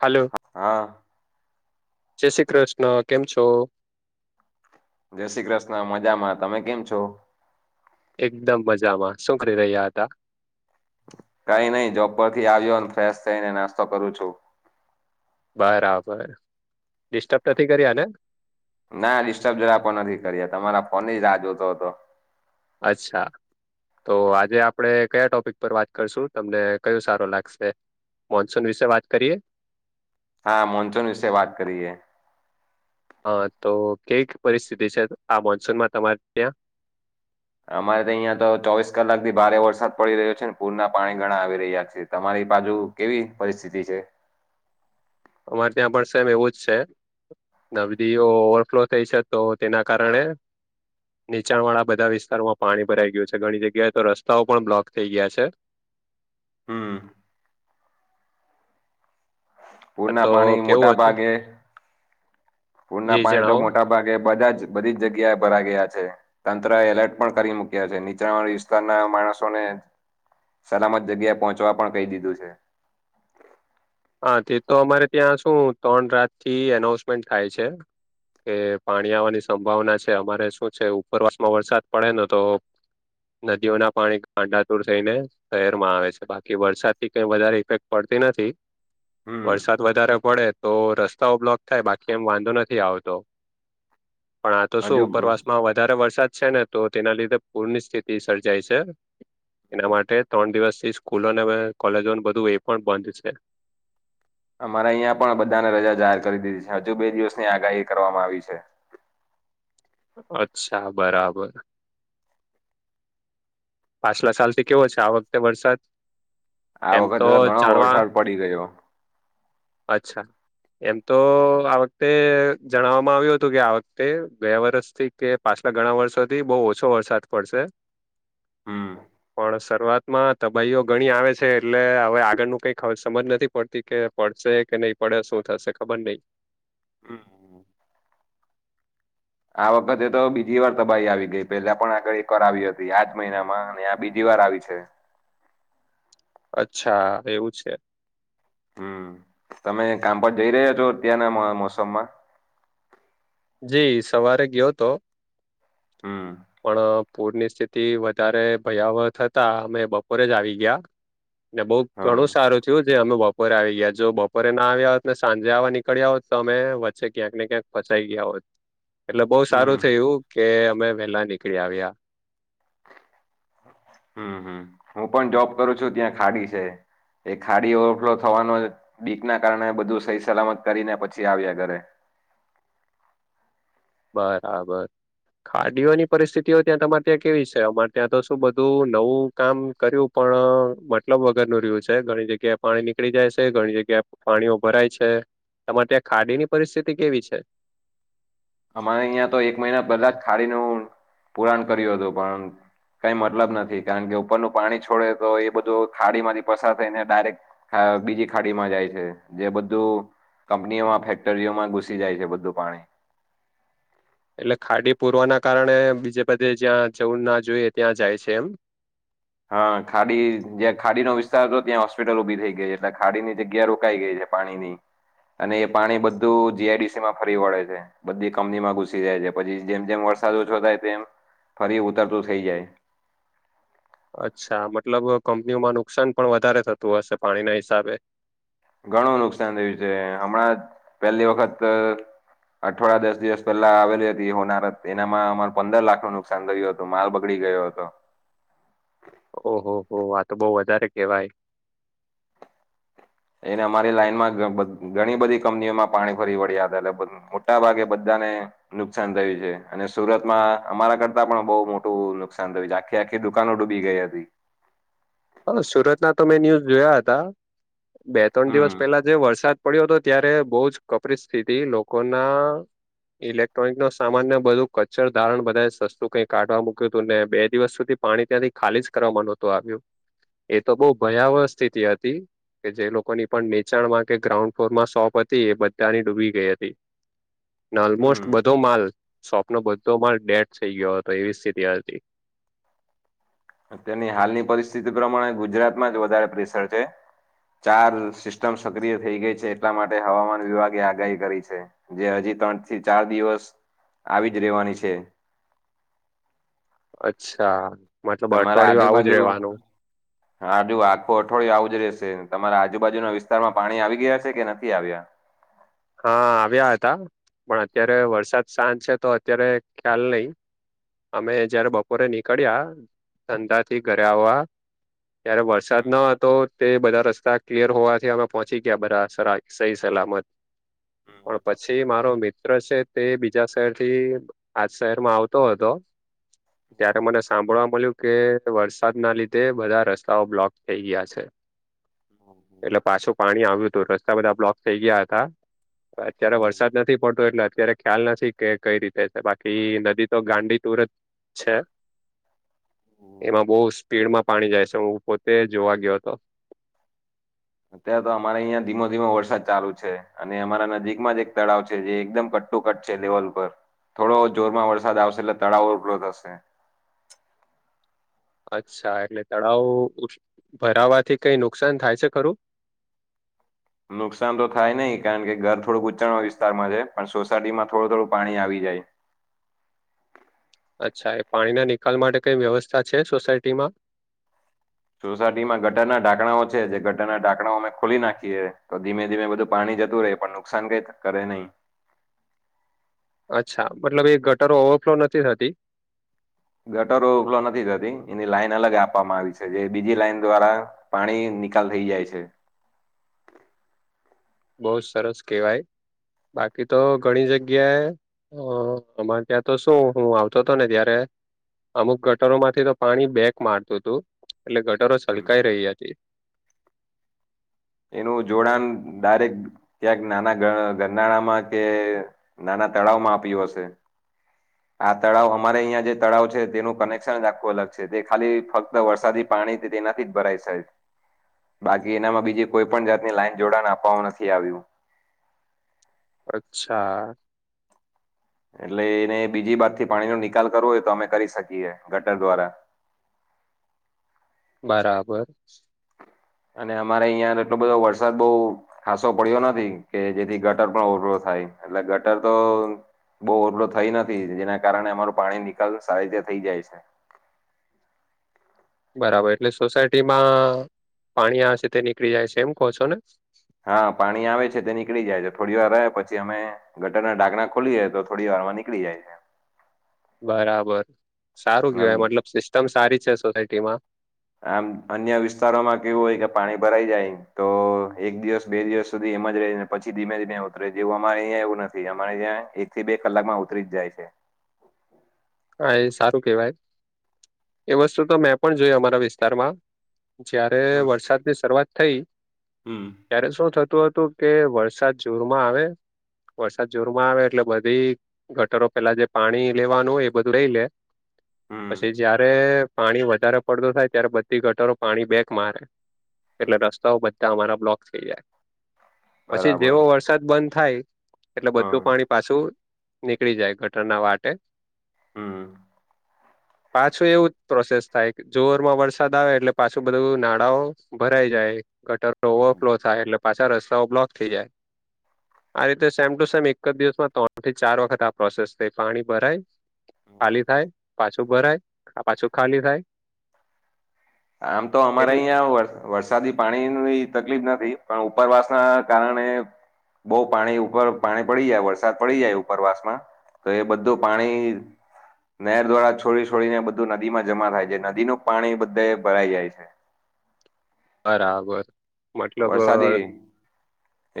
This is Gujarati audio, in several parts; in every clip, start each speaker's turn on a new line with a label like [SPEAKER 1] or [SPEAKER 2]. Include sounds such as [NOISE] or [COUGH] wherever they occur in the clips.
[SPEAKER 1] હાલો,
[SPEAKER 2] હા
[SPEAKER 1] જય શ્રી કૃષ્ણ કેમ છો.
[SPEAKER 2] જય શ્રી કૃષ્ણ મજામાં, તમે કેમ છો?
[SPEAKER 1] એકદમ મજામાં, શું કરી રહ્યા હતાં?
[SPEAKER 2] કઈ નઈ જોબ પરથી આવ્યોને ફ્રેશ થઈને નાસ્તો કરું છું.
[SPEAKER 1] બરાબર, ડિસ્ટર્બ નથી કરયાને?
[SPEAKER 2] ના ડિસ્ટર્બ જરા પણ નથી કર્યા, તમારા ફોનની જ રાહ જોતો હતો.
[SPEAKER 1] અચ્છા. તો આજે આપડે કયા ટોપિક પર વાત કરશું? તમને કયો સારો લાગશે? મોન્સૂન વિશે વાત કરીએ?
[SPEAKER 2] હા, મોનસૂન વિશે વાત કરીએ.
[SPEAKER 1] હ તો કેવીક પરિસ્થિતિ છે આ મોન્સૂનમાં તમારે ત્યાં?
[SPEAKER 2] અમારે તો અહિયાં તો ચોવીસ કલાકથી ભારે વરસાદ પડી રહ્યો છે ને પૂરના પાણી ઘણા આવી રહ્યા છે, તમારી બાજુ? કેવી પરિસ્થિતિ છે?
[SPEAKER 1] અમારે ત્યાં પણ સેમ એવું જ છે. નદીઓ ઓવરફ્લો થઈ છે તો તેના કારણે નીચાણવાળા બધા વિસ્તારોમાં પાણી ભરાઈ ગયું છે ઘણી જગ્યાએ તો રસ્તાઓ પણ બ્લોક થઈ ગયા છે.
[SPEAKER 2] હમ્મ.
[SPEAKER 1] આ
[SPEAKER 2] પૂરના
[SPEAKER 1] તો
[SPEAKER 2] પાણી
[SPEAKER 1] કેવું
[SPEAKER 2] મોટા
[SPEAKER 1] હતું
[SPEAKER 2] ભાગે પૂરના
[SPEAKER 1] જી
[SPEAKER 2] પાણી તો
[SPEAKER 1] જણાવો
[SPEAKER 2] મોટા ભાગે બધા જ બધી જ જગ્યાએ ભરા ગયા છે. તંત્ર એલર્ટ પણ કરી મુક્યા છે નીચાણવાળા વિસ્તારના માણસોને સલામત જગ્યાએ પહોંચવા પણ કહી દીધું છે.
[SPEAKER 1] હા તે તો અમારે ત્યાં શું ત્રણ રાતથી એનાઉસમેન્ટ થાય છે. કે પાણી આવવાની સંભાવના છે અમારે શું છે ઉપરવાસમાં વરસાદ પડે ને તો નદીઓના પાણી ગાડાતુર થઈને શહેરમાં આવે છે બાકી વરસાદથી કઈ વધારે ઈફેક્ટ પડતી નથી.
[SPEAKER 2] હમ
[SPEAKER 1] વરસાદ વધારે પડે તો રસ્તાઓ બ્લોક થાય બાકી એમ વાંધો નથી આવતો. પણ આ તો શું
[SPEAKER 2] હજુ
[SPEAKER 1] ઉપરવાસમાં વધારે વરસાદ છે ને તો તેના લીધે પૂરની સ્થિતિ સર્જાય છે. એના માટે ત્રણ દિવસથી સ્કૂલોને અવે કોલેજો બધું એ પણ બંધ છે.
[SPEAKER 2] અમારે અહીંયા પણ બધાને રજા જાહેર કરી દીધી છે્ હજુ બે દિવસની આગાહી કરવામાં આવી છે.
[SPEAKER 1] અચ્છા બરાબર પાછલા સાલ થી કેવો છે આ વખતે વરસાદ
[SPEAKER 2] આ
[SPEAKER 1] એમ
[SPEAKER 2] વખતે તો ઘણો
[SPEAKER 1] જાણવા
[SPEAKER 2] વરસાદ પડી ગયો
[SPEAKER 1] અચ્છા એમ તો આ વખતે જણાવવામાં આવ્યું હતું કે આ વખતે ગ્યા વરષથી કે પાછલા ઘણા વર્ષો થી બહુ ઓછો વરસાદ પડશે
[SPEAKER 2] હમ્મ
[SPEAKER 1] પણ શરૂઆતમાં તબાહીઓ ઘણી આવે છે એટલે હવે આગળ નુ કઈ સમજ નથી પડતી કે પડશે કે નહી પડે શું થશે ખબર નહી
[SPEAKER 2] હમ્મ
[SPEAKER 1] [INAUDIBLE]
[SPEAKER 2] આ વખતે તો બીજી વાર તબાહી આવી ગઈ પેલા પણ આગળ કરાવી હતી આજ મહિનામાં અને બીજી વાર આવી છે
[SPEAKER 1] અચ્છા એવું છે
[SPEAKER 2] હમ્મ તમે કામ પર જઈ રહ્યા છો અત્યારના મોસમમાં
[SPEAKER 1] જી સવારે ગયો હતો
[SPEAKER 2] હમ
[SPEAKER 1] પણ પૂરની સ્થિતિ વધારે ભયાવહ થતા અમે બપોરે જ આવી ગયા ને બહુ
[SPEAKER 2] હમ
[SPEAKER 1] ઘણું સારું થયું જે અમે બપોરે આવી ગયા જો બપોરે ના આવ્યા હોત ને સાંજે આવા નીકળ્યા હોત તો અ વચ્ચે ક્યાંક ને ક્યાંક ફસા ફસાઈ ગયા હોત એટલે બહુ સારું
[SPEAKER 2] હમ
[SPEAKER 1] થયું કે અમે વેલા નીકળી આવ્યા
[SPEAKER 2] હમ્મ હમ્મ હું પણ જોબ કરું છું ત્યાં ખાડી છે એ ખાડી ઓવરફ્લો થવાનું બીક ના કારણે બધું સહી સલામત કરીને પછી આવ્યા ઘરે
[SPEAKER 1] બરાબર ખાડીઓની પરિસ્થિતિઓ ત્યાં તમારે ત્યાં કેવી છે અમારે ત્યાં તો શું બધું નવું કામ કર્યું પણ મતલબ વગર નું રહ્યું છે ઘણી જગ્યા પાણી નીકળી જાય છે ઘણી જગ્યા પાણીઓ ભરાય છે તમારે ત્યાં ખાડી ની પરિસ્થિતિ કેવી છે
[SPEAKER 2] અમારે અહિયા તો એક મહિના પહેલા જ ખાડીનું પુરાણ કર્યું હતું પણ કઈ મતલબ નથી કારણ કે ઉપરનું પાણી છોડે તો એ બધું ખાડી માંથી પસાર થઈ ને ડાયરેક્ટ હ બીજી ખાડીમાં જાય છે જે બધું કંપનીઓમાં ફેક્ટરીઓમાં ઘુસી જાય છે બધું પાણી
[SPEAKER 1] એટલે ખાડી પૂરવા ના કારણે બીજે બધે જ્યાં જવું ના જોઈએ ત્યાં જાય છે એમ
[SPEAKER 2] હા ખાડી જ્યાં ખાડીનો વિસ્તાર હતો ત્યાં હોસ્પિટલ ઉભી થઈ ગઈ છે એટલે ખાડીની જગ્યા રોકાઈ ગઈ છે પાણીની અને એ પાણી બધું જીઆઈડીસી માં ફરી વળે છે બધી કમનીમાં ઘુસી જાય છે પછી જેમ જેમ વરસાદ ઓછો થાય તેમ ફરી ઉતરતું થઇ જાય
[SPEAKER 1] અચ્છા મતલબ કંપનીઓમાં નુકસાન પણ વધારે થતું હશે પાણીના હિસાબે
[SPEAKER 2] ઘણું નુકસાન થયું છે હમણાં પહેલી વખત અઠવાડા દસ દિવસ પહેલા આવેલી હતી હોનારત એનામાં અમારે પંદર લાખ નું નુકસાન થરય હતું માલ બગડી ગયો હતો
[SPEAKER 1] ઓહોહ આ તો બહુ વધારે કેવાય
[SPEAKER 2] એને અમારી લાઈન માં ઘણી બધી કંપનીઓમાં પાણી ફરી વળ્યા હતા એટલે મોટા ભાગે બધા ને નુકસાન થયું છે અને સુરતમાં અમારા કરતા પણ બહુ મોટું નુકસાન થયું છે આ ક્યાં આખી દુકાનો ડૂબી ગઈ હતી
[SPEAKER 1] સુરતના તો મેં ન્યૂઝ જોયા હતા બે ત્રણ દિવસ
[SPEAKER 2] હમ
[SPEAKER 1] પહેલા જે વરસાદ પડ્યો હતો ત્યારે બહુ જ કપરી સ્થિતિ લોકોના ઇલેક્ટ્રોનિકો સામાન ને બધું કચરો ધારણ બધા સસ્તું કંઈ કાઢવા મૂક્યું હતું ને બે દિવસ સુધી પાણી ત્યાંથી ખાલી જ કરવામાં નહતું આવ્યું એ તો બહુ ભયાવહ સ્થિતિ હતી કે જે લોકોની પણ નીચાણમાં કે ગ્રાઉન્ડ ફ્લોર માં શોપ હતી એ બધાની ડૂબી ગઈ હતી [INAUDIBLE] ઓલમોસ્ટ
[SPEAKER 2] હમ
[SPEAKER 1] બધો માલ શોપ નો બધો માલ ડેટ થઈ ગયો હતો એવી સ્થિતિ હતી
[SPEAKER 2] અત્યની હાલની પરિસ્થિતિ પ્રમાણે ગુજરાતમાં જ વધારે પ્રેશર છે ચાર સિસ્ટમ સક્રિય થઈ ગઈ છે એટલા માટે હવામાન વિભાગે આગાહી કરી છે જે હજી ત્રણ થી ચાર દિવસ આવી જ રહેેવાની છે
[SPEAKER 1] અચ્છા મતલબ અઠવાડિયું આવુંજ રેવાનું
[SPEAKER 2] હાજ આખું અઠવાડિયુ આવું જ રહેશે તમારા આજુબાજુના વિસ્તારમાં પાણી આવી ગયા છે કે નથી આવ્યા
[SPEAKER 1] હા આવ્યા હતા પણ અત્યારે વરસાદ શાંત છે તો અત્યારે ખ્યાલ નહી અમે જયારે બપોરે નીકળ્યા ધંધા થી ઘરે આવવા તય્યારે વરસાદ ન હતો તે બધા રસ્તા ક્લિયર હોવાથી અમે પહોંચી ગયા બધા સ સહી સલામત પણ પછી મારો મિત્ર છે તે બીજા શહેરથી આજ શહેરમાં આવતો હતો ત્યારે મને સાંભળવા મળ્યું કે વરસાદના લીધે બધા રસ્તાઓ બ્લોક થઈ ગયા છે એટલે પાછું પાણી આવ્યું હતું રસ્તા બધા બ્લોક થઈ ગયા હતા અત્યારે વરસાદ નથી પડતો એટલે અત્યારે ખ્યાલ નથી કે કઈ રીતે છે બાકી નદી તો ગાંડી તુર જ છે એમાં બહુ સ્પીડમાં પાણી જાય છે હું પોતે જોવા ગયો હતો
[SPEAKER 2] અત્યારે તો અમારે અહં ધીમો ધીમો વરસાદ ચાલુ છે અને અમારા નજીકમાં જ એક તળાવ છે જે એકદમ કટ કું કટશે લેવલ પર થોડો જોરમાં વરસાદ આવશે એટલે તળાવઉભરો થશે
[SPEAKER 1] અચ્છા એટલે તળાવ ભરાવાથી કઈ નુકસાન થાય છે ખરું?
[SPEAKER 2] નુકસાન તો થાય નહી કારણ કે ઘર થોડુંક ઉચ્ચણો વિસ્તારમાં છે પણ સોસાયટી માં થોડું થોડું પાણી આવી જાય.
[SPEAKER 1] અચ્છા એ પાણીના નિકાલ માટે કઈ વ્યવસ્થા છે સોસાયટી માં?
[SPEAKER 2] સોસાયટીમાં ગટરના ઢાકણાઓ છે જે ગટરના નાઢાકણાઓ અમે ખોલી નાખીએ તો ધીમે ધીમે બધું પાણી જતું રહે પણ નુકસાન કઈ કરે નઈ?
[SPEAKER 1] અચ્છા મતલબ એ ગટરો ઓવરફ્લો નથી થતી?
[SPEAKER 2] ગટરો ઉપખલો નથી થતી એની લાઈન અલગ આપવામાં આવી છે જે બીજી લાઈન દ્વારા. પાણી નિકાલ થઈ જાય છે.
[SPEAKER 1] બહ જ સરસ કેહેવાય બાકી તો ઘણી જગ્યાએ હ આમાં ત્યાં તો શું હું આવતો હતો ને ત્યારે અમુક ગટરો માંથી તો પાણી બેક મારતું હતું એટલે ગટરો
[SPEAKER 2] હમ.
[SPEAKER 1] છલકાઈ રહી હતી.
[SPEAKER 2] એનું જોડાણ દાયરેક ક્યાંક નાના ગરનાળામાં કે ના ના તળાવમાં આપ્યું હશે?
[SPEAKER 1] [INAUDIBLE]
[SPEAKER 2] આ તળાવ અમારે અહિયાં જે તળાવ છે તેનું કનેક્શન આખું અલગ છે તે ખાલી ફક્ત વરસાદી પાણી તેનાથી જ ભરાય સાય
[SPEAKER 1] [INAUDIBLE]
[SPEAKER 2] બાકી એનામાં બીજી કોઈ પણ જાતની લાઈન જોડાને આપવાવામાં નથી આવ્યું.
[SPEAKER 1] અચ્છા.
[SPEAKER 2] એટલે એને બીજી બાત થી પાણીનો નિકાલ કરવો હોય તો અમે કરી શકીએ ગટર દ્વારા.
[SPEAKER 1] બરાબર
[SPEAKER 2] અને અમારે અહિયાં એટલો બધો વરસાદ બહુ ખાાસો પડ્યો નથી કે જેથી ગટર પણ ઓવરફ્લો થાય એટલે ગટર તો બહુ ઓવરફ્લો થઈ નથી જેના કારણે અમારું પાણી નિકાલ સારી રીતે થઇ જાય છે.
[SPEAKER 1] બરાબર એટલે સોસાયટી માં પાણી આવશે તે નીકળી જાય છે એમ કહો છો ને?
[SPEAKER 2] હા પાણી આવે છે તે નીકળી જાય છે થોડી વાર રહે પછી અમે ગટર ના ડઢાકણા ખલીએ તો થોડી વાર માં નીકળી જાય છે.
[SPEAKER 1] બરાબર સારું
[SPEAKER 2] આમ
[SPEAKER 1] કેવાય મતલબ સિસ્ટમ સારી છે સોસાયટી માં.
[SPEAKER 2] આમ અન્ય વિસ્તારોમાં કેવું હોય કે પાણી ભરાઈ જાય તો એક દિવસ બે દિવસ સુધી એમ જ રહીને. પછી ધીમે ધીમે ઉતરે જેવું અમારે અહીંયા એવું નથી અમારે ત્યાં એક થી બે કલાક માં ઉતરી જ જાય છે.
[SPEAKER 1] હા એ સારું કેવાય એ વસ્તુ તો મેં પણ જોય અમારા વિસ્તારમાં. જયારે
[SPEAKER 2] હમ
[SPEAKER 1] વરસાદની શરૂઆત થઇ?
[SPEAKER 2] હમ
[SPEAKER 1] ત્યારે શું થતું હતું કે વરસાદ જોરમાં આવે વરસાદ જોરમાં આવે એટલે બધી ગટરો પેલા જે પાણી લેવાનું હોય. બધું લય લે
[SPEAKER 2] હમ
[SPEAKER 1] પછી જયારે પાણી વધારે પડતું થાય ત્યારે બધી ગટરો પાણી બેક મારે. એટલે રસ્તાઓ બધા અમારા બ્લોક થઈ જાય પછી
[SPEAKER 2] બરાબર
[SPEAKER 1] જેવો વરસાદ બંધ થાય એટલે
[SPEAKER 2] હા
[SPEAKER 1] બધું પાણી પાછું નીકળી જાય ગટર ના વાટે
[SPEAKER 2] હમ્મ
[SPEAKER 1] પાછું એવું જ પ્રોસેસ થાય જોરમાં વરસાદ આવે એટલે પાછું બધું નાડા ઓ. ભરાઈ જાય ગટર
[SPEAKER 2] હમ.
[SPEAKER 1] ઓવરફ્લો થાય એટલે પાછા રસ્તાઓ બ્લોક થઈ જાય. આ રીતે સેમ ટુ સેમ એક જ દિવસમાં ત્રણ થી ચાર વખત આ પ્રોસેસ થઈ પાણી ભરાય ખાલી થાય પાછું ભરાય પાછું ખાલી થાય
[SPEAKER 2] આમ તો અમારે
[SPEAKER 1] એટલે
[SPEAKER 2] અહીંયા વરસ વરસાદી પાણીની તકલીફ નથી પણ ઉપરવાસ ના કારણે બહુ પાણી ઉપર પાણી પડી જાય વરસાદ પડી જાય ઉપરવાસ માં. તો એ બધું પાણી નહેર દ્વારા છોડી છોડીને બધું નદીમાં જમા થાય છે નદીનું પાણી બધે ભરાઈ જાય છે.
[SPEAKER 1] બરાબર મતલબ
[SPEAKER 2] વરસાદી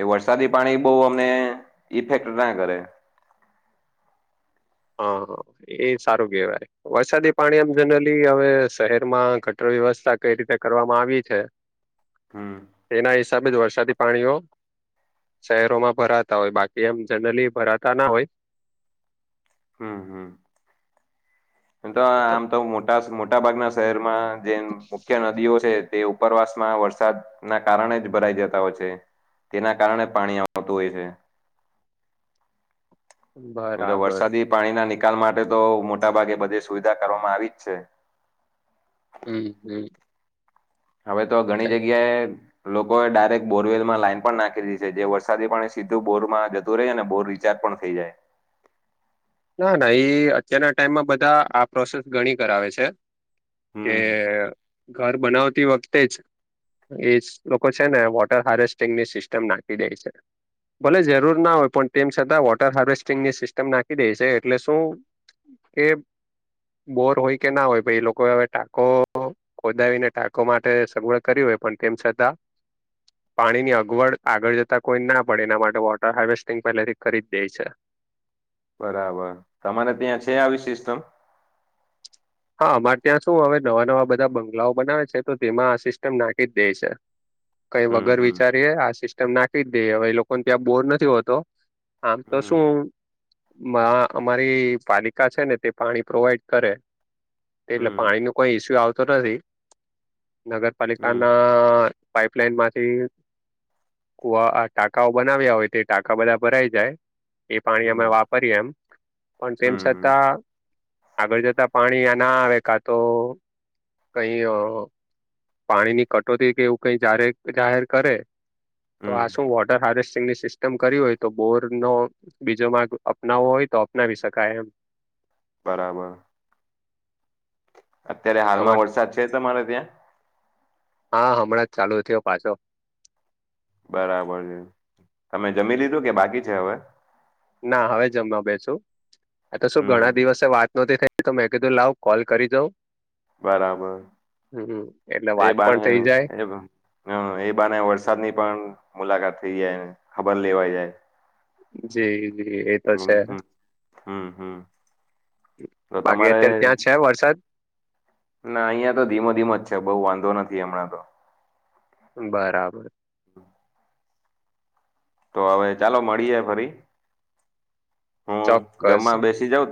[SPEAKER 2] એ વરસાદી પાણી બઉ અમને ઈફેક્ટ ના કરે
[SPEAKER 1] હા હા એ સારું કેવારે વરસાદી પાણી એમ જનરલી હવે શહેરમાં ગટર વ્યવસ્થા કઈ રીતે કરવામાં આવી છે
[SPEAKER 2] હમ્મ
[SPEAKER 1] એના હિસાબે જ વરસાદી પાણીઓ શહેરોમાં ભરાતા હોય બાકી એમ જનરલી ભરાતા ના હોય
[SPEAKER 2] હમ્મ હમ્મ તો આમ તો મોટા મોટા ભાગના શહેરમાં જે મુખ્ય નદીઓ છે તે ઉપરવાસ માં વરસાદ ના કારણે જ ભરાઈ જતા હોય છે તેના કારણે પાણી આવતું હોય છે મ તો
[SPEAKER 1] બરાબર
[SPEAKER 2] વરસાદી પાણી ના નિકાલ માટે તો મોટાભાગે બધી સુવિધા કરવામાં આવી જ છે
[SPEAKER 1] હમ્મ હમ્મ
[SPEAKER 2] હવે તો ઘણી જગ્યાએ લોકોએ ડાયરેક્ટ બોરવેલ માં લાઈન પણ નાખી દી છે જે વરસાદી પાણી સીધું બોર માં જતું રહે છે ને બોર વિચાર પણ થઈ જાય
[SPEAKER 1] ના ના ઈ અત્યારના ટાઈમમાં બધા આ પ્રોસેસ ગણી કરાવે છે કે
[SPEAKER 2] હમ
[SPEAKER 1] ઘર બનાવતી વખતે જ એ લોકો છે ને વોટર હાર્વેસ્ટિંગ ની સિસ્ટમ નાખી દે છે ભલે જરૂર ના હોય પણ તેમ છતાં વોટર હાર્વેસ્ટિંગ ની સિસ્ટમ નાખી દે છે એટલે શું કે બોર હોય કે ના હોય ભ એ લોકો હવે ટાંકો ખોદાવીને ટાંકો માટે સગવડ કરી હોય પણ તેમ છતાં પાણી ની અગવડ આગળ જતા કોઈ ના પડે એના માટે વોટર હાર્વેસ્ટિંગ પહેલાથી કરી જ દે છે
[SPEAKER 2] બરાબર તમારે ત્યાં છે આવી સિસ્ટમ
[SPEAKER 1] હા અમારે ત્યાં શું હવે નવા નવા બધા બંગલાઓ બનાવે છે તો તેમાં આ સિસ્ટમ નાકી જ દે છે કઈ વગર
[SPEAKER 2] હમ
[SPEAKER 1] વિચારીએ આ સિસ્ટમ નાખી જ દઈએ હવે એ લોકોને ત્યાં બોર નથી હોતો આમ તો
[SPEAKER 2] હમ
[SPEAKER 1] શું અમારી પાલિકા છે ને તે પાણી પ્રોવાઈડ કરે એટલે
[SPEAKER 2] હમ
[SPEAKER 1] પાણી ન કોઈ ઈસ્યુ આવતો નથી નગરપાલિકા
[SPEAKER 2] હમ હમ
[SPEAKER 1] ના અ પાઈપલાઈન માંથી કુવા ટાકાઓ બનાવ્યા હોય તે ટાકા બધા ભરાઈ જાય એ પાણી
[SPEAKER 2] હમ
[SPEAKER 1] અમે વાપરીએ એમ પણ તેમ
[SPEAKER 2] હમ હમ
[SPEAKER 1] છતાં આગળ જતા પાણી ના આવે કા તો કઈ પાણી ની કટોતી કે એવું કઈ જાહેર કરે તો
[SPEAKER 2] હમ
[SPEAKER 1] આ શું વોટર હાર્વેસ્ટિંગની સિસ્ટમ કર હોય તો બોર નો બીજો માર્ગ અપનાવવો હોય તો અપનાવી શકાય એમ
[SPEAKER 2] બરાબર અત્યારે
[SPEAKER 1] તમા
[SPEAKER 2] હાલમાં વરસાદ છે તમારે ત્યાં?
[SPEAKER 1] હા હમણાં જ ચાલુ થયો પાછો
[SPEAKER 2] બરાબર છે તમે જમી લીધું કે બાકી છે હવે
[SPEAKER 1] ના હવે જમવા બેસુ આ તો શું
[SPEAKER 2] હમ
[SPEAKER 1] ઘણા દિવસે વાત નતી થઈ તમે કીધું લાવ કોલ કરી દઉ
[SPEAKER 2] બરાબર
[SPEAKER 1] એટલે
[SPEAKER 2] એ
[SPEAKER 1] વાત પણ
[SPEAKER 2] બાંધ
[SPEAKER 1] થઇ જાય
[SPEAKER 2] [UNINTELLIGIBLE] હ એ બને વરસાદ ની પણ મુલાકાત થઇ જાયને ખબર લેવાઈ જાય
[SPEAKER 1] જી જી એતો છે.
[SPEAKER 2] હમ્મ હમ્મ
[SPEAKER 1] બાકી અત્યારે ત્યાં છે વરસાદ
[SPEAKER 2] ના અહિયાં તો ધીમો ધીમો જ છે બહુ વાંધો નથી હમણાં તો
[SPEAKER 1] બરાબર
[SPEAKER 2] તો હવે ચાલો મળી જાય ફરી. હમ્મ
[SPEAKER 1] ચોક્કસ
[SPEAKER 2] જમવા બેસી જાવ